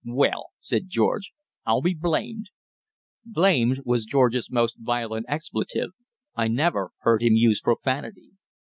"Well," said George, "I'll be blamed!" "Blamed" was George's most violent expletive; I never heard him use profanity.